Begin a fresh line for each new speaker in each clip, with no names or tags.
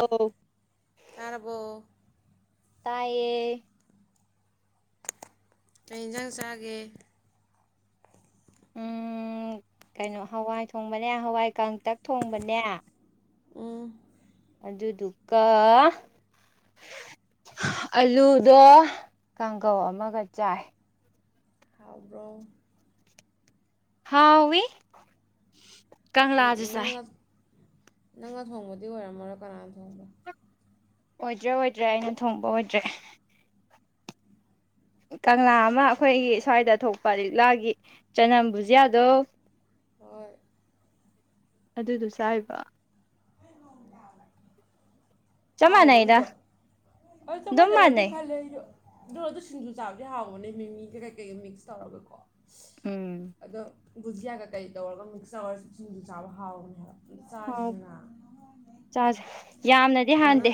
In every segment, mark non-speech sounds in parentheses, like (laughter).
ꯑꯧ
ꯇꯥꯔꯕꯣ
ꯇꯥꯏꯌꯦ
ꯀꯩ ꯏꯟꯖꯥꯡ ꯆꯥꯒꯦ
ꯎꯝ ꯀꯩꯅꯣ ꯍꯋꯥꯏ ꯊꯣꯡꯕꯅꯦ ꯍꯋꯥꯏ ꯀꯥꯡꯇꯛ ꯊꯣꯡꯕꯅꯦ
ꯎꯝ
ꯑꯗꯨꯗꯨꯒ ꯑꯂꯨꯗꯣ ꯀꯥꯡꯒꯧ ꯑꯃꯒ ꯆꯥꯏ
ꯍꯥꯎꯕ꯭ꯔꯣ
ꯍꯥꯎꯏ
ꯑꯝ ꯅꯪꯅ ꯅꯪꯅ ꯊꯣꯡꯕꯗꯤ ꯑꯣꯏꯔꯝꯃꯔꯣꯏ ꯀꯅꯥꯟ ꯊꯣꯡꯕꯅꯣ
ꯑꯣꯏꯗ꯭ꯔꯦ ꯑꯣꯏꯗ꯭ꯔꯦ ꯑꯩꯅ ꯊꯣꯡꯕ ꯑꯣꯏꯗ꯭ꯔꯦ ꯀꯪꯂꯥ ꯑꯃ ꯑꯈꯣꯏꯒꯤ ꯁ꯭ꯋꯥꯏꯗ ꯊꯣꯛꯄ ꯂꯤꯛꯂꯥꯒꯤ ꯆꯥꯅꯝ ꯕꯨꯖꯤꯌꯥꯗꯣ
ꯍꯣꯏ
ꯑꯗꯨꯗꯨ ꯆꯥꯏꯕ ꯆꯞ
ꯍꯥꯎꯕ꯭ꯔꯣ
ꯃꯥꯟꯅꯩꯗ
ꯑꯗꯨꯗꯣ ꯑꯥ ꯆꯞ
ꯑꯗꯨꯝ
ꯃꯥꯟꯅꯔꯝꯅꯤ
ꯃꯥꯟꯅꯩ
ꯈꯜꯂꯦ ꯑꯩꯖꯨ ꯗꯣ ꯑꯗꯨ ꯁꯤꯡꯖꯨ ꯆꯥꯕꯗꯤ ꯍꯥꯎꯕꯅꯦ ꯃꯤꯃꯤꯒ ꯀꯩꯀꯩꯒ ꯃꯤꯛꯁ ꯇꯧꯔꯒꯀꯣ
ꯎꯝ
ꯑꯗꯣ ꯕꯨꯨꯖꯤꯌꯥꯒ ꯀꯩꯀꯩ ꯇꯧꯔꯒ ꯃꯤꯛꯁ ꯇꯧꯔ ꯁꯤꯡꯖꯨ ꯆꯥꯕ ꯍꯥꯎꯕꯅꯦ ꯍꯥꯏꯕ ꯑꯃꯇ ꯆꯥꯖꯤꯗꯅ
ꯆꯥꯖꯦ ꯌꯥꯝꯅꯗꯤ
ꯀꯩꯅꯣꯅ
ꯍꯥꯟꯗꯦ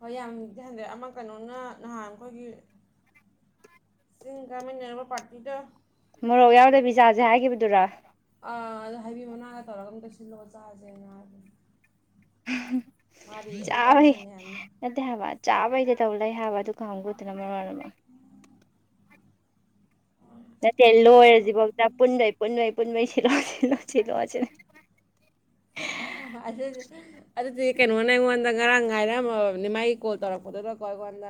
ꯍꯣꯏ ꯌꯥꯝꯗꯤ ꯍꯥꯟꯗꯦ ꯑꯃ ꯀꯩꯅꯣꯅ ꯅꯍꯥꯟ ꯑꯈꯣꯏꯒꯤ ꯆꯤꯡ ꯀꯃꯤꯟꯅꯔꯝꯕ ꯄ꯭ꯔꯥꯠꯇꯤꯗꯣ
ꯃꯣꯔꯣꯛ ꯌꯥꯎꯗꯕꯤ ꯆꯥꯖꯦ ꯍꯥꯏꯒꯤꯕꯗꯨꯔꯣ
ꯑꯥ ꯑꯗꯣ ꯍꯩꯕꯤ ꯃꯅꯥꯒ ꯇꯧꯔꯒ ꯑꯝꯇ ꯁꯤꯜꯂꯛꯑꯣ ꯆꯥꯖꯦꯅ ꯍꯥꯏꯕꯅꯤ ꯃꯥꯗꯤ ꯑꯦꯅꯤ ꯇꯥꯏꯝ
ꯆꯥꯕꯩ
ꯁꯪꯉꯤ ꯍꯥꯏꯕꯅꯤ
ꯅꯠꯇꯦ ꯍꯥꯏꯕ ꯆꯥꯕꯩꯗ ꯇꯧ ꯂꯩ ꯍꯥꯏꯕ ꯑꯗꯨ ꯀꯥꯡꯕꯨꯗꯨꯅ ꯃꯔꯣꯟ ꯑꯃ ꯅꯠꯇꯦ ꯂꯣꯏꯔꯖꯤꯕꯧꯇ ꯄꯨꯟꯕꯩ ꯄꯨꯟꯕꯩ ꯄꯨꯟꯕꯩ ꯁꯤꯜꯂꯛꯑꯣ ꯁꯤꯜꯂꯣ ꯁꯤꯜꯂꯣ ꯁꯤꯜꯂꯣ
(unintelligible) ꯑꯗꯨꯗꯤ ꯀꯩꯅꯣꯅ ꯑꯩꯉꯣꯟꯗ ꯉꯔꯥꯡ ꯍꯥꯏꯔꯝꯃꯕꯅꯤ ꯃꯥꯏ ꯀꯣꯜ ꯇꯧꯔꯛꯄꯗꯨꯗꯀꯣ ꯑꯩꯉꯣꯟꯗ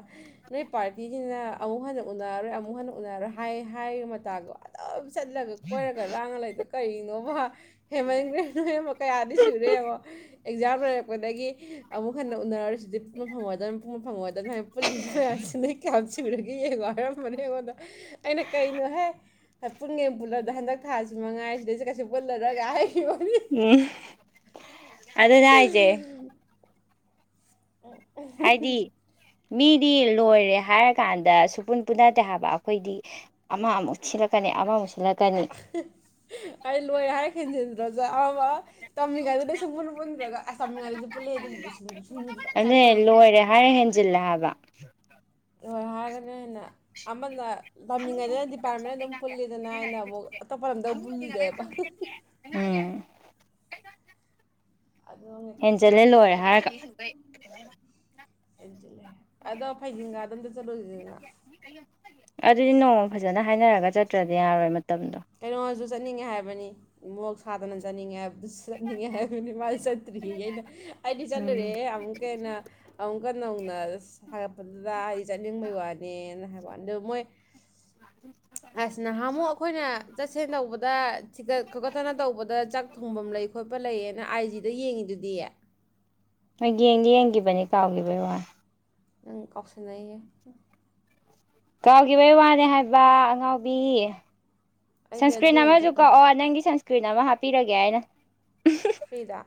ꯅꯣꯏ ꯄꯥꯔꯇꯤꯖꯤꯅ ꯑꯃꯨꯛ ꯍꯟꯅ ꯎꯅꯔꯔꯣꯏ ꯑꯃꯨꯛ ꯍꯟꯅ ꯎꯅꯔꯣꯏ ꯍꯥꯏ ꯍꯥꯏꯔꯦꯇꯥꯗꯣ ꯗꯨꯝ ꯆꯠꯂꯒ ꯀꯣꯏꯔꯒ ꯂꯥꯡꯉ ꯂꯩꯗꯣ ꯀꯩꯒꯤꯅꯣꯕ ꯍꯦꯃꯟꯒ꯭ꯔꯦ ꯅꯣꯏ ꯑꯃ ꯀꯌꯥꯗꯤ ꯁꯨꯔꯦ ꯌꯦꯡꯉꯣ ꯑꯦꯛꯖꯥꯝ ꯂꯩꯔꯛꯄꯗꯒꯤ ꯑꯃꯨꯛ ꯍꯟꯅ ꯎꯅꯔꯔꯣꯏ ꯁꯤꯗꯤ ꯄꯨꯨꯡ ꯐꯪꯒꯗꯕꯅꯤ ꯄꯨꯡ ꯐꯪꯉꯣꯏꯗꯅꯤ (unintelligible) ꯄꯨꯂꯤꯁ ꯐ ꯀꯌꯥ (unintelligible) ꯇꯨꯔꯒꯦ ꯌꯦꯡꯉꯣ ꯍꯥꯏꯔꯝꯕꯅꯦ ꯑꯩꯉꯣꯟꯗ ꯑꯩꯅ ꯀꯩꯅꯣꯍꯦ ꯄꯨꯟꯒꯦ ꯄꯨꯜꯂꯗ ꯍꯟꯗꯛ ꯊꯥꯁꯤ ꯃꯉꯥꯏ ꯁꯤꯗꯩꯁꯤ ꯀꯩꯁꯨ ꯄꯨꯜꯂꯔꯒ ꯍꯥꯏꯈꯤꯕꯅꯤ
ꯎꯝ ꯑꯗꯨꯅꯦ ꯍꯥꯏꯖꯦ
ꯎꯝ ꯎꯝ (inaudible)
ꯍꯥꯏꯗꯤ ꯃꯤꯗꯤ ꯂꯣꯏꯔꯦ ꯍꯥꯏꯔꯀꯥꯟꯗ ꯁꯨꯄꯨꯟ ꯄꯨꯟꯅꯗꯦ ꯍꯥꯏꯕ ꯑꯩꯈꯣꯏꯗꯤ ꯑꯃ ꯑꯃꯨꯛ ꯁꯤꯜꯂꯛꯀꯅꯤ ꯑꯃꯃꯨꯛ ꯁꯤꯜꯂꯛꯀꯅꯤ
ꯑꯩ ꯂꯣꯏ ꯍꯥꯏ ꯐꯦꯟꯖ ꯑꯋꯥ (unintelligible) ꯇꯝꯃꯤꯉꯩꯗꯅ ꯁꯨꯡꯄꯨꯟ ꯄꯨꯟꯗ꯭ꯔꯒ ꯑꯁ ꯇꯝꯃꯤꯉꯩꯗꯁꯨ ꯄꯨꯂꯩ ꯑꯗꯨꯕꯨꯗꯤ (unintelligible)
ꯑꯦ ꯂꯣꯏꯔꯦ ꯍꯥꯏꯔꯦ ꯍꯦꯟꯖꯤꯜꯂꯦ ꯍꯥꯏꯕ
ꯂꯣꯏ ꯍꯥꯏꯔꯒꯅ ꯍꯦꯟꯅ ꯑꯃꯅ ꯇꯝꯃꯤꯉꯩꯗꯅ ꯗꯤꯄꯥꯔꯠꯃꯦꯟ ꯑꯗꯨꯝ ꯄꯨꯜꯂꯤꯗꯅ ꯑꯩꯅ ꯑꯃꯨꯛ ꯑꯇꯣꯞꯄ ꯂꯝꯗ ꯄꯨꯂꯨꯖꯦꯕ
ꯎꯝ
ꯑꯗꯨꯅꯦ ꯇꯧꯔꯤꯁꯦ
ꯍꯦꯟꯖꯜꯂꯦ ꯂꯣꯏꯔꯦ ꯍꯥꯏꯔꯒ
ꯍꯦꯟꯖꯜꯂꯦ ꯑꯗꯣ ꯐꯩꯖꯤꯡꯒꯥꯗ ꯑꯝꯇ ꯆꯠꯂꯨꯖꯤꯗꯅ
ꯑꯗꯨꯗꯤ ꯅꯣꯡꯃ ꯐꯖꯅ ꯍꯥꯏꯅꯔꯒ ꯆꯠꯇ꯭ꯔꯗꯤ ꯌꯥꯔꯣꯏ ꯃꯇꯝꯗꯣ
ꯀꯩꯅꯣꯁꯨ ꯆꯠꯅꯤꯡꯉꯦ ꯍꯥꯏꯕꯅꯤ ꯃꯣꯛ ꯁꯥꯗꯅ ꯆꯠꯅꯤꯡꯉꯦ ꯍꯥꯏꯕ ꯆꯠꯅꯤꯡꯉꯦ ꯍꯥꯏꯕꯅꯤ ꯃꯥꯁꯨ ꯆꯠꯇ꯭ꯔꯤꯌꯦ ꯑꯩꯅ ꯑꯩꯗꯤ
ꯎꯝ
ꯆꯠꯂꯨꯔꯦꯍꯦ ꯑꯃꯨꯛꯀ ꯍꯦꯟꯅ ꯑꯃꯨꯛꯀ ꯅꯧꯅ ꯍꯥꯏꯒꯠꯄꯗꯨꯗ ꯑꯩ ꯆꯠꯅꯤꯡꯕꯩ ꯋꯥꯅꯦꯅ ꯍꯥꯏꯕ ꯋꯥꯅꯤ ꯑꯗꯨ ꯃꯣꯏ
ꯑ (inaudible)
ꯑꯁ ꯅꯍꯥꯃꯨꯛ ꯑꯩꯈꯣꯏꯅ ꯆꯠꯁꯦꯟ ꯇꯧꯕꯗ ꯊꯤꯒꯠ ꯈꯣꯀꯠꯇꯅ ꯇꯧꯕꯗ ꯆꯥꯛ ꯊꯣꯡꯕꯝ ꯂꯩ ꯈꯣꯠꯄ ꯂꯩꯌꯦꯅ ꯑꯥꯏ ꯖꯤꯗ ꯌꯦꯡꯉꯤꯗꯨꯗꯤ
ꯍꯣꯏ ꯌꯦꯡꯗꯤ ꯌꯦꯡꯒꯤꯕꯅꯦ ꯀꯥꯎꯒꯤꯕꯩ ꯋꯥ
ꯅꯪ ꯀꯥꯎꯁꯟꯅꯩꯌꯦ
ꯀꯥꯎꯒꯤꯕꯩ ꯋꯥꯅꯦ ꯍꯥꯏ ꯋꯥ ꯑꯉꯥꯎꯕꯤ
ꯑꯩꯗꯤ ꯑꯗꯨ
ꯁꯟꯁꯀ꯭ꯔꯤꯟ
ꯑꯣꯏꯅ
ꯑꯃꯁꯨ
ꯆꯠꯄ
ꯀꯛꯑꯣ ꯅꯪꯒꯤ ꯁꯟꯁ ꯀ꯭ꯔꯤꯟ ꯑꯃ ꯍꯥꯞꯄꯤꯔꯒꯦ ꯍꯥꯏꯅ
ꯐ꯭ꯔꯤꯗꯥ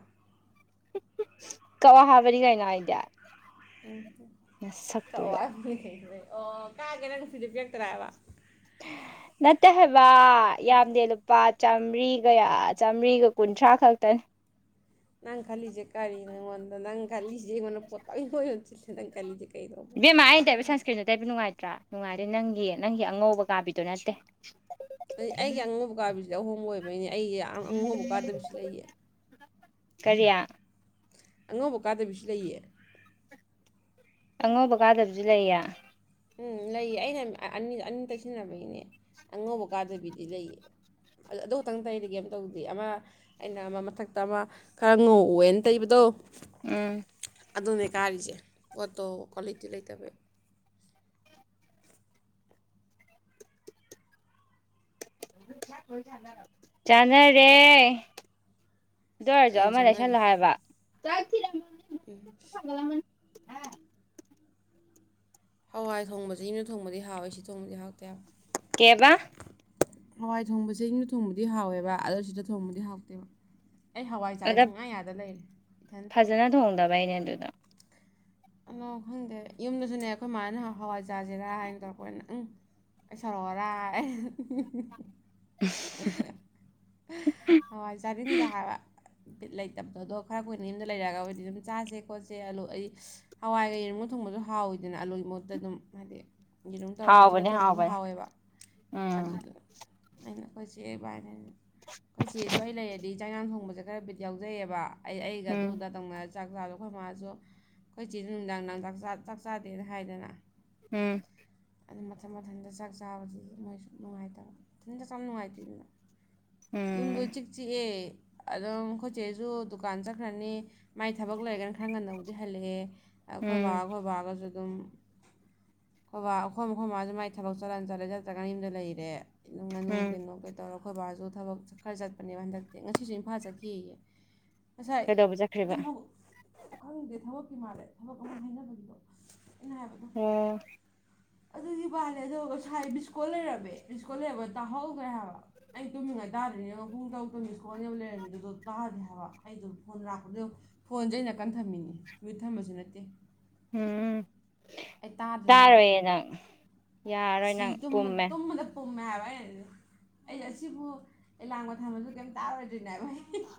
ꯀꯋꯥ ꯍꯥꯕꯅꯤ ꯀꯩꯅꯣ ꯑꯩꯗꯤ ꯅꯁꯛꯇꯨꯒ
ꯎ ꯀꯌꯥ ꯀꯦꯅꯦ ꯁꯤꯗꯤ ꯄ ꯇꯔꯑ (unintelligible) (inaudible)
ꯅꯠꯇꯦ ꯍꯥꯏꯕ ꯌꯥꯝꯗꯦ ꯂꯨꯄꯥ ꯆꯥꯝꯃ꯭ꯔꯤꯒ ꯆꯥꯝꯃ꯭ꯔꯤꯒ ꯀꯨꯟꯊ꯭ꯔꯥ ꯈꯛꯇꯅꯤ
ꯅꯪ ꯈꯜꯂꯤꯖꯦ ꯀꯔꯤꯅꯣ ꯑꯩꯉꯣꯟꯗ ꯅꯪ ꯈꯜꯂꯤꯖꯦ ꯌꯦꯡꯉꯣ ꯄꯣꯠꯇꯪ ꯀꯣꯏ (unintelligible) ꯅꯪ ꯈꯜꯂꯤꯖꯦ ꯀꯩꯅꯣ
ꯏꯕꯦꯝꯃ ꯑꯩꯅ ꯇꯩꯕ ꯁꯟꯁꯀ꯭ꯔꯤꯟꯖꯦ ꯇꯩꯕ ꯅꯨꯡꯉꯥꯏꯇ꯭ꯔꯥ ꯅꯨꯡꯉꯥꯏꯔꯦ ꯅꯪꯒꯤ ꯅꯪꯒꯤ ꯑꯉꯧꯕ ꯀꯥꯕꯤꯗꯣ ꯅꯠꯇꯦ
ꯑꯩꯒꯤ ꯑꯉꯧꯕ ꯀꯥꯕꯤꯁꯤꯗꯤ ꯑꯍꯣꯡꯕ ꯑꯣꯏꯕꯩꯅꯦ ꯑꯩꯌꯥ ꯑꯉꯧꯕ ꯀꯥꯗꯕꯤꯁꯨ ꯂꯩꯌꯦ
ꯀꯔꯤꯌꯥ
ꯑꯉꯧꯕ ꯀꯥꯗꯕꯤꯁꯨ ꯂꯩꯌꯦ
ꯑꯉꯧꯕ ꯀꯥꯗꯕꯁꯨ ꯂꯩꯌꯦ
ꯎꯝ ꯂꯩꯌꯦ ꯑꯩꯅ ꯑꯅꯤ ꯑꯅꯤ ꯇꯩꯁꯤꯟꯅꯕꯒꯤꯅꯦ ꯑꯉꯧꯕ ꯀꯥꯗꯕꯤꯗꯤ ꯂꯩꯌꯦ ꯑꯗꯨ ꯈꯛꯇꯪ ꯇꯩꯗꯤ ꯀꯩꯝ ꯇꯧꯗꯦ ꯑꯃ ꯑꯩꯅ ꯑꯃ ꯃꯊꯛꯇ ꯑꯃ ꯈꯔ ꯉꯧꯋꯦꯟ ꯇꯩꯕꯗꯣ
ꯎꯝ
ꯑꯗꯨꯅꯦ ꯀꯥꯔꯤꯖꯦ ꯄꯣꯠꯇꯣ ꯀ꯭ꯋꯥꯂꯤꯇꯤ ꯂꯩꯇꯕꯩ
ꯆꯥꯅꯔꯦ ꯑꯗꯨ ꯑꯣꯏꯔꯖꯨ
ꯀꯩꯅ
ꯑꯃ
ꯆꯥꯟꯅꯔꯤ
ꯂꯩꯁꯜꯂꯣ ꯍꯥꯏꯕ
ꯎꯝ
(inaudible)
ꯍꯋꯥꯏ ꯊꯣꯡꯕꯖꯤ ꯌꯨꯝꯗ ꯊꯣꯡꯕꯗꯤ ꯍꯥꯎꯋꯤ ꯁꯤ ꯊꯣꯡꯕꯗꯤ ꯍꯥꯎꯇꯦ ꯍꯥꯏꯕ
ꯀꯦꯕꯥ
ꯍꯋꯥꯏ ꯊꯣꯡꯕꯖꯦ ꯌꯨꯝꯗ ꯊꯣꯡꯕꯗꯤ ꯍꯥꯎꯋꯦꯕ ꯑꯗꯨ ꯁꯤꯗ ꯊꯣꯡꯕꯗꯤ ꯍꯥꯎꯇꯦꯕ ꯑꯩ ꯍꯋꯥꯏ ꯆꯥꯌꯦ
ꯑꯗ
ꯁꯨꯡꯌꯥꯥ ꯌꯥꯗ ꯂꯩꯔꯦ ꯏꯊꯟꯇ
ꯐꯖꯅ ꯊꯣꯡꯗꯕꯩꯅꯦ ꯑꯗꯨꯗ
ꯑꯂꯣ ꯈꯪꯗꯦ ꯌꯨꯝꯗꯖꯨꯅꯦ ꯑꯩꯈꯣꯏ ꯃꯥꯅ ꯍ ꯍꯋꯥꯏ ꯆꯥꯖꯤꯔꯥ ꯍꯥꯏꯅ ꯇꯧꯔꯛꯄꯒꯅꯦ ꯎꯪ ꯑꯩ ꯁꯥꯎꯔꯛꯑꯣꯔꯥ
(unintelligible)
ꯍꯋꯥꯏ ꯆꯥꯅꯤꯡꯗꯦ ꯍꯥꯏꯕ ꯕꯤꯠ ꯂꯩꯇꯕꯗꯣ ꯈꯔ ꯀꯨꯏꯅ ꯌꯨꯝꯗ ꯂꯩꯔꯛꯑꯒꯕꯨꯗꯤ ꯑꯗꯨꯝ ꯆꯥꯁꯦ ꯈꯣꯠꯁꯦ ꯑꯂꯨ ꯑꯩ ꯍꯋꯥꯏꯒ ꯌꯦꯔꯨꯝꯒ ꯊꯣꯡꯕꯖꯨ ꯍꯥꯎꯋꯤꯗꯅ ꯑꯂꯨꯏꯒꯤ ꯃꯍꯨꯠꯇ ꯑꯗꯨꯝ ꯍꯥꯏꯗꯤ ꯌꯦꯔꯨꯝ ꯇꯧꯔ ꯍꯥꯞꯆꯤꯜꯂ
ꯍꯥꯎꯕꯅꯦ
ꯊꯣꯡꯕꯖꯨ
ꯍꯥꯎꯕꯅꯦ
ꯍꯥꯎꯋꯦꯕ
ꯎꯝ
ꯑꯗꯨꯗꯨ ꯑꯩꯅ ꯑꯩꯈꯣꯏ ꯆꯦ ꯏꯕꯥꯅꯤꯒꯤ ꯑꯩꯈꯣꯏ ꯆꯦꯖꯨ ꯑꯩ ꯂꯩꯔꯗꯤ ꯆꯥꯛ ꯏꯟꯖꯥꯡ ꯊꯣꯡꯕꯖꯦ ꯈꯔ ꯕꯤꯠ ꯌꯥꯎꯖꯩꯑꯦꯕ ꯑꯩ ꯑꯩꯒ
ꯎꯝ
ꯑꯗꯨꯗ ꯇꯧꯅꯔꯖꯤ ꯆꯥꯛ ꯆꯥꯗꯣ ꯑꯩꯈꯣꯏ ꯃꯥꯖꯨ ꯑꯩꯈꯣꯏ ꯆꯦꯖꯨ ꯅꯨꯡꯗꯥꯡ ꯅꯨꯡꯗꯥꯡ ꯆꯥꯛ ꯆꯥ ꯆꯥꯛ ꯆꯥꯗꯦꯅ ꯍꯥꯏꯗꯅ
ꯎꯝ
ꯑꯗꯨ ꯃꯊꯟ ꯃꯊꯟꯗ ꯆꯥꯛ ꯆꯥꯕꯗꯤ ꯃꯣꯏꯁꯨ ꯅꯨꯡꯉꯥꯏꯇꯕ ꯃꯊꯟꯗ ꯆꯝ ꯅꯨꯡꯉꯥꯏꯇꯦꯅ ꯌꯨꯝꯗꯨ
ꯎꯝ
ꯏꯆꯤꯛ ꯆꯤꯛꯑꯦ ꯑꯗꯨꯝ ꯑꯩꯈꯣꯏꯆꯦꯖꯨ ꯗꯨꯀꯥꯟ ꯆꯠꯈ꯭ꯔꯅꯤ ꯃꯥꯏ ꯊꯕꯛ ꯂꯩꯔꯒꯅ ꯈꯔ ꯉꯟꯅꯕꯨꯗꯤ ꯍꯜꯂꯛꯑꯦ ꯑꯈꯣꯏꯃꯥ
ꯎꯝ
ꯑꯩꯈꯣꯏꯕꯒꯖꯨ ꯑꯗꯨꯝ ꯑꯩꯈꯣꯏꯕꯥ ꯑꯩꯈꯣꯏ ꯑꯩꯈꯣꯏꯃꯥꯖꯨ ꯃꯥꯏ ꯊꯕꯛ ꯆꯠꯂ ꯆꯠꯂꯦ ꯆꯠꯇ꯭ꯔꯒꯅ ꯌꯨꯝꯗ ꯂꯩꯔꯦ ꯅꯨꯡ ꯉꯥꯅꯨ
ꯎꯝ
ꯀꯩꯅꯣ ꯀꯩꯗꯧꯔ ꯑꯩꯈꯣꯏꯕꯥꯖꯨ ꯊꯕꯛ ꯈꯔ ꯆꯠꯄꯅꯦꯕ ꯍꯟꯗꯛꯇꯤ ꯉꯁꯤꯁꯨ ꯏꯝꯐꯥꯜ ꯆꯠꯈꯤꯌꯦ ꯉꯁꯥꯏ
ꯀꯩꯗꯧꯕ ꯆꯠꯈ꯭ꯔꯤꯕ
ꯑꯗꯨꯃꯒ ꯈꯪꯗꯦ ꯊꯕꯛꯀꯤ ꯃꯥꯜꯂꯦ ꯊꯕꯛ ꯑꯃ ꯍꯥꯏꯅꯕꯒꯤꯗꯣ ꯑꯩꯅ ꯍꯥꯏꯕꯗ
ꯑꯦ
ꯑꯗꯨꯗꯤ ꯕꯥꯂꯦ ꯗꯣ ꯉꯁꯥꯏ ꯃꯤꯁꯀꯣꯜ ꯂꯩꯔꯝꯃꯦ ꯃꯤꯁꯀꯣꯜ ꯂꯩꯔꯝꯕ ꯇꯥꯍꯧꯗ꯭ꯔꯦ ꯍꯥꯏꯕ ꯑꯩ ꯇꯨꯝꯃꯤꯉꯥꯏ ꯇꯥꯗ꯭ꯔꯤꯅꯦ ꯌꯦꯡꯉ ꯨꯄꯨꯡ ꯇꯔꯨꯛꯛ ꯃꯤꯁꯀꯣꯜꯅꯦꯕ ꯂꯩꯔꯝꯃꯤꯖꯦ ꯑꯗꯨ ꯇꯥꯗꯔ꯭ꯤꯅꯦ ꯍꯥꯏꯕ ꯑꯩꯗꯣ ꯐꯣꯟ ꯂꯥꯛꯄꯗꯨ ꯌꯦꯡꯉꯨ ꯐꯣꯟꯖꯦ ꯑꯩ ꯅꯥꯀꯟ ꯊꯝꯃꯤꯅꯤ ꯃꯌ꯭ꯨꯠ ꯊꯝꯕꯁꯨ ꯅꯠꯇꯦ
ꯎꯎꯝ
ꯑꯩ ꯇꯥꯗ꯭ꯔꯤꯅꯦ ꯍꯥꯏꯕ
ꯇꯥꯔꯣꯏꯌꯦ ꯅꯪ ꯌꯥꯔꯔꯣꯏ ꯅꯪ
ꯁꯤ ꯇꯨꯝꯕ
ꯄꯨꯝꯃꯦ
ꯇꯨꯝꯕꯗ ꯄꯨꯝꯃꯦ ꯍꯥꯏꯕ ꯑꯩꯅꯗꯤ ꯗꯨ ꯑꯩꯅ ꯑꯁꯤꯕꯨ ꯑꯦꯂꯥꯝꯒ ꯊꯝꯃꯁꯨ ꯀꯦꯝ ꯇꯥꯔꯣꯏꯗꯣꯏꯅꯦ ꯍꯥꯏꯕ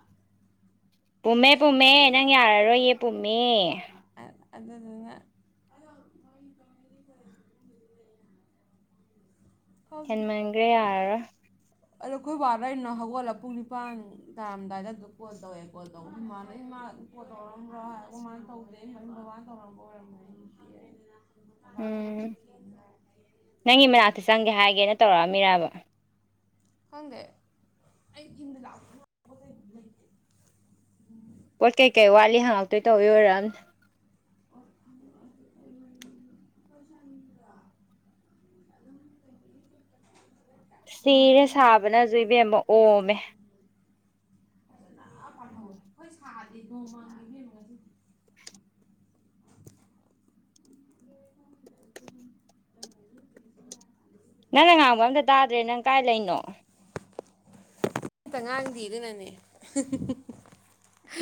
ꯄꯨꯝꯃꯦ ꯄꯨꯝꯃꯦ
ꯑꯩ
ꯅꯪ ꯌꯥꯔꯔꯣꯏꯌꯦ ꯄꯨꯝꯃꯦ
ꯑꯗꯨꯗꯨꯅ ꯑ (unintelligible)
ꯍꯦꯟꯃꯟꯒ꯭ꯔꯦ ꯌꯥꯔꯔꯣꯏ
ꯑꯗꯣ ꯑꯩꯈꯣꯏ ꯕꯥꯗꯩꯅꯣ ꯍꯧꯒꯠꯂ ꯄꯨꯡ ꯅꯤꯄꯥꯟ ꯇꯥꯔꯝꯗꯥꯏꯗ ꯑꯗꯨꯗ ꯀꯣꯜ ꯇꯧꯋꯦ ꯀꯣꯜ ꯇꯧꯕꯗꯨ ꯏꯃꯥꯟꯅ ꯏꯃꯥ ꯀꯣꯜ ꯇꯧꯔꯛꯑꯝꯕ꯭ꯔꯥ ꯍꯥꯏ ꯑꯩꯈꯣꯏꯃꯥꯅ ꯇꯧꯗꯦ ꯃꯅꯨꯡ ꯕꯥꯕꯥꯅ ꯇꯧꯔꯝꯕ ꯑꯣꯏꯔꯝꯒꯅꯦꯌꯦ ꯕꯥꯕꯥ ꯊꯕꯛ
ꯎꯝ
ꯆꯠꯈꯤꯅ ꯍꯥꯏ
ꯅꯪꯒꯤ ꯃꯅꯥꯛꯇ ꯆꯪꯒꯦ
(unintelligible)
ꯍꯥꯏꯒꯦꯅ ꯇꯧꯔꯛꯑꯝꯃꯤꯔꯕ
ꯈꯪꯗꯦ ꯑꯩ ꯏꯟꯗ ꯂꯥꯛ
ꯄꯣꯠ ꯀꯩꯀꯩ ꯋꯥꯠꯂꯤ ꯍꯪꯉꯛꯇꯣꯏ ꯇꯧꯋꯤ ꯑꯣꯏꯔꯝ
(unintelligible) (unintelligible)
ꯁꯤꯔꯦ ꯁꯥꯕꯅꯁꯨ ꯏꯕꯦꯝ ꯑꯣꯝꯃꯦ
ꯄꯥꯝꯊꯧ ꯑꯩꯈꯣꯏ ꯁꯥꯗꯦ ꯅꯣꯡꯃ ꯃꯪ ꯂꯤꯝ ꯅꯤꯍꯥꯏꯕꯦꯝ ꯉꯁꯤ
ꯅꯪꯅ ꯉꯥꯡꯕ ꯑꯝꯇ ꯇꯥꯗ꯭ꯔꯦ ꯅꯪ ꯀꯥꯏ ꯂꯩꯅꯣ
ꯑꯝꯇ ꯉꯥꯡꯗꯤꯦ ꯑꯗꯨꯅꯅꯦ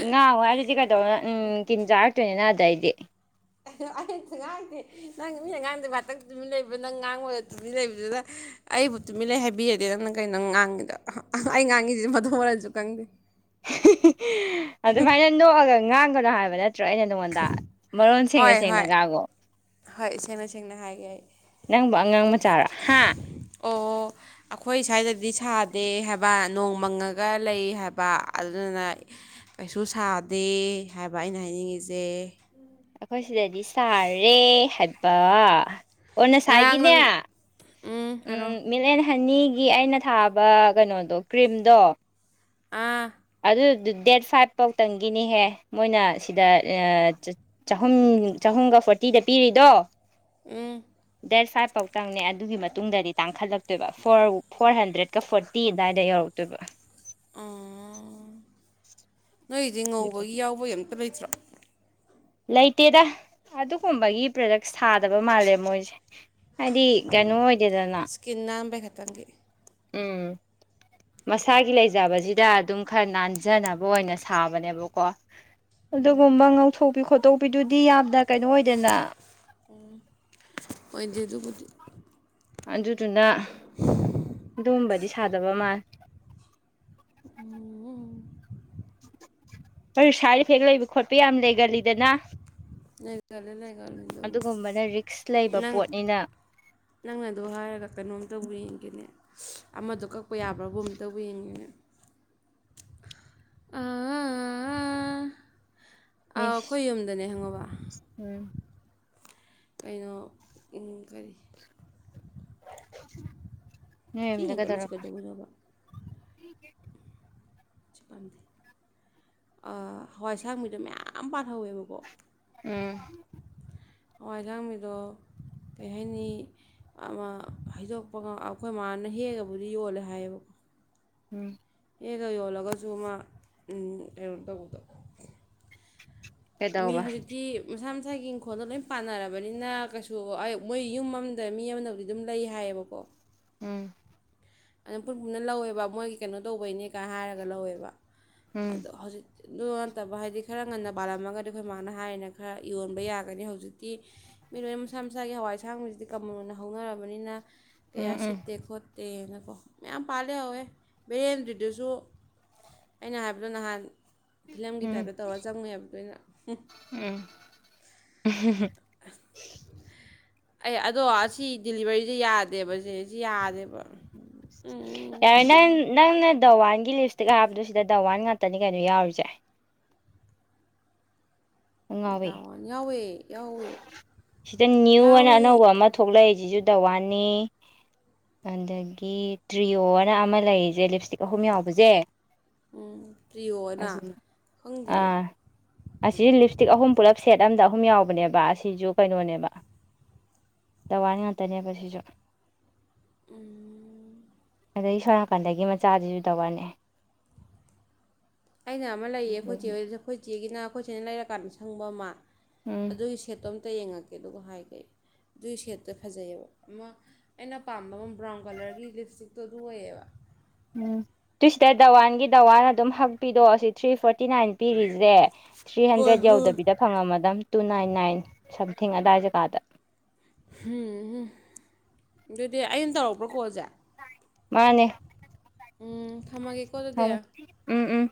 ꯉꯍꯥꯟ ꯍ ꯍꯥꯏ ꯑꯗꯨꯗꯤ ꯎꯟ ꯀꯤꯤꯟ ꯆꯥꯔꯛꯇꯣꯏꯅꯤ ꯅ ꯑꯗꯩꯗꯤ
ꯑꯩ ꯑꯃꯇꯥ ꯉꯥꯡꯗꯦ ꯅꯪ ꯃꯤ ꯑꯉꯥꯡꯗ ꯉꯥꯛꯠꯇꯪ ꯇꯨꯃꯤꯟꯅꯕ ꯅꯪ ꯉꯥꯡꯕꯗ ꯇꯨꯃꯤꯟꯅꯩꯕꯗꯨꯗ ꯑꯩꯕꯨ ꯇꯨꯃꯤꯠ ꯂꯩꯩ ꯍꯥꯏꯕꯤꯔꯗꯤꯦ ꯅꯪꯅ ꯀꯩꯅꯣ ꯉꯥꯡꯉꯤꯗ ꯑꯩ ꯉꯥꯡꯉꯤꯁꯤꯗꯤ ꯃꯊꯣꯡ ꯃꯔꯜꯁꯨ ꯈꯪꯗꯦ
ꯑꯗꯨꯃꯥꯏꯅ ꯅꯣꯛꯑꯒ ꯉꯥꯡꯒꯅꯣ ꯍꯥꯏꯕ ꯅꯠꯇ ꯅꯠꯇ꯭ꯔꯣ ꯑꯩꯅ ꯅꯉꯣꯟꯗ ꯃꯔꯣꯟ ꯁꯦꯡꯉ
ꯍꯣꯏ ꯍꯣꯏ
ꯁꯦꯡꯅꯒꯒꯣ
ꯍꯣꯏ ꯁꯦꯡꯅ ꯁꯦꯡꯅ ꯍꯥꯏꯒꯦ ꯑꯩ
ꯉꯉꯣ ꯅꯪꯕꯨ ꯑꯉꯥꯡ ꯃꯆꯥꯔꯣ ꯍꯥ
ꯑꯣ ꯑꯩꯈꯣꯏ ꯁ꯭ꯋꯥꯏꯗꯗꯤ ꯁꯥꯗꯦ ꯍꯥꯏꯕ ꯅꯣꯡꯃꯪꯉꯒ ꯂꯩ ꯍꯥꯏꯕ ꯑꯗꯨꯗꯨꯅ ꯀꯩꯁꯨ ꯁꯥꯗꯦ ꯍꯥꯏꯕ ꯑꯩꯅ ꯍꯥꯏꯅꯤꯡꯉꯤꯁꯦ
ꯑꯩꯈꯣꯏ ꯁꯤꯗꯗꯤ ꯁꯥꯔꯦ ꯍꯥꯏꯕ ꯑꯣꯟ
ꯉꯔꯥꯡ
ꯅꯁꯥꯏꯒꯤꯅꯦ
ꯅꯪ
ꯎꯝ ꯃꯤꯜꯛ ꯍꯅꯤꯒꯤ ꯑꯩꯅ ꯊꯥꯕ ꯀꯅꯣꯗꯣ ꯀ꯭ꯔꯤꯝꯗꯣ
ꯑꯥ
ꯑꯗꯨ ꯗꯦꯠ ꯐꯥꯏꯚ ꯐꯥꯎꯇꯪꯒꯤꯅꯤꯍꯦ ꯃꯣꯏꯅ ꯁꯤꯗ ꯑꯦ ꯆꯍꯨꯝ ꯆꯍꯨꯝꯒ ꯐꯣꯔꯇꯤꯗ ꯄꯤꯔꯤꯗꯣ
ꯎꯝ
ꯗꯦꯠ ꯐꯥꯏꯚ ꯐꯥꯎꯇꯪꯅꯦ ꯑꯗꯨꯒꯤ ꯃꯇꯨꯡꯗꯗꯤ ꯇꯥꯡꯈꯠꯂꯛ ꯣꯏ ꯐꯣꯔ ꯐꯣꯔ ꯍꯟꯗ꯭ꯔꯦꯗꯀ ꯐꯣꯔꯇꯤ ꯑꯗꯨꯋꯥꯏꯗ ꯌꯧꯔꯛꯇꯣꯏꯕ
ꯎ ꯅꯣꯏꯗꯤꯦ ꯉꯧꯕꯒꯤ ꯌꯥꯎꯕ ꯑꯝꯇ ꯂꯩꯇ꯭ꯔꯣ
ꯂꯩꯇꯦꯗ ꯑꯗꯨꯒꯨꯝꯕꯒꯤ ꯄ꯭ꯔꯗꯛ ꯁꯥꯗꯕ ꯃꯥꯜꯂꯦ ꯃꯣꯏꯁꯦ ꯍꯥꯏꯗꯤ ꯀꯩꯅꯣ ꯑꯣꯏꯗꯦꯗꯅ
ꯀꯅꯥꯝꯕꯕ ꯈꯇꯪꯒꯦ
ꯎꯝ
(inaudible)
ꯃꯁꯥꯒꯤ ꯂꯩꯖꯕꯁꯤꯗ ꯑꯗꯨꯝ ꯈꯔ ꯅꯥꯟꯖꯅꯕ ꯑꯣꯏꯅ ꯁꯥꯕꯅꯦꯕꯀꯣ ꯑꯗꯨꯒꯨꯝꯕ ꯉꯧꯊꯣꯛꯄꯤ ꯈꯣꯠꯇꯣꯛꯄꯤꯗꯨꯗꯤ ꯌꯥꯝꯅ ꯀꯩꯅꯣ ꯑꯣꯏꯗꯗꯅꯥ
ꯎꯟ ꯑꯣꯏꯗꯤꯗꯨꯕꯨꯗꯤ
ꯑꯗꯨꯗꯨꯅ ꯑꯗꯨꯒꯕꯗꯤ ꯁꯥꯗꯕ ꯃꯥꯜꯂꯦ
ꯎꯟ ꯎꯟ
ꯀ ꯁꯥꯏꯠ ꯏꯐꯦꯛ ꯂꯩꯕ ꯈꯣꯠꯄ ꯌꯥꯝ ꯂꯩꯒꯜꯂꯤꯗꯅ
ꯂꯩꯒꯟꯂꯤ ꯂꯩꯒꯅꯂꯤ ꯑꯦꯗꯨꯕꯨꯗꯤ
ꯑꯗꯨꯒꯨꯝꯕꯅ ꯔꯤꯛꯁ ꯂꯩꯕ
ꯅꯡ
ꯄꯣꯠꯅꯤꯅ
ꯅꯪꯅ ꯑꯗꯣ ꯍꯥꯏꯔꯒ ꯀꯩꯅꯣꯝ ꯇꯧꯕꯨ ꯌꯦꯡꯒꯦꯅꯦ ꯑꯃꯗꯣ ꯀꯛꯄ ꯌꯥꯕ꯭ꯔꯥꯒꯨꯝ ꯑ ꯇꯧꯕ ꯌꯦꯡꯉꯤꯅꯦ ꯑꯥ ꯑꯥ ꯑꯥ ꯑꯥ
ꯏꯁ
ꯑꯩꯈꯣꯏ ꯌꯨꯝꯗꯅꯦ ꯍꯪꯉꯕ
ꯎꯝ
ꯀꯩꯅꯣ ꯎꯟ ꯀꯔꯤ
ꯅꯣꯏ
ꯆ
ꯌꯨꯝꯗ
ꯍꯦꯟꯒꯠ ꯂꯤꯁꯦ
ꯀꯩꯗꯧꯔꯕ
ꯀꯩꯗꯧ ꯕꯩꯅꯣꯕꯥ ꯁꯤ ꯄꯝꯗꯦ ꯑꯥ ꯍꯋꯥꯏꯁꯥꯡꯕꯦꯗꯣ ꯃꯌꯥꯝ ꯄꯥꯜꯍꯧꯋꯦꯕꯀꯣ
ꯎꯝ
ꯍꯋꯥꯏ ꯑꯁꯥꯡꯕꯤꯗꯣ ꯀꯩ ꯍꯥꯏꯅꯤ ꯑꯃ ꯍꯩꯗꯣꯛꯄ ꯑꯩꯈꯣꯏ ꯃꯥꯅ ꯍꯦꯛꯑꯒꯕꯨꯗꯤ ꯌꯣꯜꯂꯦ ꯍꯥꯏꯌꯦꯕ
ꯎꯝ
ꯍꯦꯛꯑꯒ ꯌꯣꯜꯂꯒꯁꯨ ꯃꯥ ꯎꯝ ꯀꯩꯅꯣ ꯇꯧꯕꯗꯣ ꯃꯤ
ꯀꯩꯗꯧꯕ
ꯍꯧꯖꯤꯛꯇꯤ ꯃꯁꯥ ꯃꯁꯥꯒꯤ ꯏꯪꯈꯣꯜꯗꯣ ꯂꯣꯏ ꯄꯥꯟꯅꯔꯕꯅꯤꯅ ꯀꯩꯁꯨ ꯑꯩ ꯃꯣꯏ ꯌꯨꯝ ꯑꯃꯗ ꯃꯤ ꯑꯃꯅꯕꯨ ꯑꯗꯨꯝ ꯂꯩ ꯍꯥꯏꯌꯦꯕꯀꯣ
ꯎꯝ
ꯑꯗꯨ ꯑꯩꯈꯣꯏ ꯄꯨꯅ ꯂꯧꯋꯦꯕ ꯃꯣꯏꯒꯤ ꯀꯩꯅꯣ ꯇꯧꯕꯩꯅꯦꯀꯥꯏ ꯍꯥꯏꯔꯒ ꯂꯧꯋꯦꯕ
ꯎꯝ
ꯇꯣ ꯍꯧꯖꯤꯡꯇꯤ ꯑꯗꯨ ꯅꯠꯇꯕ ꯍꯥꯏꯗꯤ ꯈꯔ ꯉꯟꯅ ꯄꯥꯜꯂꯝꯃꯒꯗꯤ ꯑꯩꯈꯣꯏ ꯃꯥꯅ ꯍꯥꯏꯔꯤꯅ ꯈꯔ ꯌꯣꯟꯕ ꯌꯥꯒꯅꯤ ꯍꯧꯖꯤꯛꯇꯤ ꯃꯤꯔꯣꯏꯅ ꯃꯁꯥ ꯃꯁꯥꯒꯤ ꯍꯋꯥꯏ ꯑꯁꯥꯡꯕꯁꯤꯗꯤ ꯀꯃꯟ ꯑꯣꯏꯅ ꯍꯧꯅꯔꯕꯅꯤꯅ ꯀꯌꯥ
ꯎꯝ ꯎꯝ
ꯁꯤꯠꯇꯦ ꯈꯣꯠꯇꯦꯅ ꯑꯣ ꯃꯌꯥꯝ ꯄꯥꯜ ꯂꯩꯍꯧꯔꯦ ꯕꯦꯔꯦꯟꯗ꯭ꯔꯤꯗꯨꯁꯨ ꯑꯩꯅ ꯍꯥꯏꯕꯗꯣ ꯅꯍꯥꯟ ꯐꯤꯂꯝꯒꯤ
ꯎꯝ
ꯇꯥꯏꯞꯇ ꯇꯧꯔ ꯆꯪꯉꯨꯏ ꯍꯥꯏꯕꯗꯣ ꯑꯩꯅ
ꯎꯝ
ꯑꯩ ꯑꯗꯣ ꯑꯁꯤ ꯗꯤꯂꯤꯚꯔꯤꯖꯦ ꯌꯥꯗꯦꯕꯁꯦ ꯌꯥꯗꯦꯕ ꯎꯝ
ꯌꯥꯔꯦ ꯅꯪ ꯅꯪꯅ ꯗꯋꯥꯟꯒꯤ ꯂꯤꯞꯁꯇꯤꯛ ꯍꯥꯏꯕꯗꯣ ꯁꯤꯗ ꯗꯋꯥꯟ ꯉꯥꯛꯇꯅꯤ ꯀꯩꯅꯣ ꯌꯥꯎꯔꯤꯁꯦ ꯑꯉꯥꯎꯕꯤ
ꯗꯥꯎ ꯌꯥꯎꯋꯦ ꯌꯥꯎꯋꯦ
ꯁꯤꯗ ꯅꯤ꯭ꯎ ꯍꯥꯏꯅꯥ
ꯌꯥꯎꯋꯦ
ꯑꯅꯧꯕ ꯑꯃ ꯊꯣꯛꯂꯛꯏꯖꯤꯖꯨ ꯗꯋꯥꯟꯅꯤ ꯑꯗꯒꯤ ꯇ꯭ꯔꯤꯌꯣ ꯑꯅ ꯑꯃ ꯂꯩꯔꯤꯖꯦ ꯂꯤꯞꯁꯇꯤꯛ ꯑꯍꯨꯝ ꯌꯥꯎꯕꯖꯦ
ꯎꯝ ꯄ꯭ꯔꯤꯌꯣ ꯑꯅ ꯈꯪꯗꯤꯌꯦ
ꯑꯥ ꯑꯁꯤ ꯂꯤꯞꯁꯇꯤꯛ ꯑꯍꯨꯝ ꯄꯨꯂꯞ ꯁꯦꯠ ꯑꯝꯗ ꯑꯍꯨꯝ ꯌꯥꯎꯕꯅꯦꯕꯥ ꯑꯁꯤꯖꯨ ꯀꯩꯅꯣꯅꯦꯕ ꯗꯋꯥꯟ ꯉꯥꯛꯇꯅꯦꯕ ꯁꯤꯁꯨ
ꯎꯝ
ꯑꯗꯩ ꯁꯣꯝꯅꯥꯀꯟꯗꯒꯤ ꯃꯆꯥꯁꯤꯁꯨ ꯗꯋꯥꯟꯅꯦ
ꯑꯩꯅ ꯑꯃ ꯂꯩꯌꯦ ꯑꯩꯈꯣꯏ ꯆꯦ ꯍꯣꯏꯖꯨ ꯑꯩꯈꯣꯏ ꯆꯦꯒꯤꯅ ꯑꯩꯈꯣꯏ ꯆꯦꯅ ꯂꯩꯔꯀꯥꯟꯗ ꯁꯪꯕ ꯑꯃ
ꯎꯝ
ꯑꯗꯨꯏ ꯁꯦꯠꯇꯣ ꯑꯝꯇ ꯌꯦꯡꯉꯛꯀꯦ ꯑꯗꯨꯒ ꯍꯥꯏꯒꯦ ꯑꯩ ꯑꯗꯨꯏ ꯁꯦꯠꯇ ꯐꯖꯩꯑꯕ ꯑꯃ ꯑꯩꯅ ꯄꯥꯝꯕ ꯑꯃ ꯕ꯭ꯔꯥꯎꯟ ꯀꯂꯔꯒꯤ ꯂꯤꯞꯁꯇꯤꯛꯇꯣ ꯑꯗꯨ ꯑꯣꯏꯌꯦꯕ
ꯎꯝ ꯑꯗꯨꯨꯏ ꯁꯤꯗ ꯗꯥꯋꯥꯟꯒꯤ ꯗꯥꯋꯥꯟ ꯑꯗꯨꯝ ꯍꯛꯄꯤꯗꯣ ꯑꯁꯤ ꯊ꯭ꯔꯤ ꯐꯣꯔꯇꯤ ꯅꯥꯏꯟ ꯄꯤꯔꯤꯖꯦ ꯊ꯭ꯔꯤ
ꯍꯣꯏ
ꯍꯟꯗ꯭ꯔꯦꯗ
ꯍꯣꯏ
ꯌꯧꯗꯕꯤꯗ ꯐꯪꯉꯝꯃꯗꯝ ꯇꯨ ꯅꯥꯏꯟ ꯅꯥꯏꯟ ꯁꯝꯊꯤꯡ ꯑꯗꯥꯏ ꯖꯒꯥꯗ
ꯑꯗꯨꯗꯤ ꯑꯩꯅ ꯇꯧꯔꯛꯄ꯭ꯔꯥ ꯀꯣꯜꯁꯦ
ꯃꯥꯅꯦ
ꯎꯝ ꯊꯝꯃꯒꯦ
ꯊꯝꯃꯣ ꯎꯝ ꯎꯝ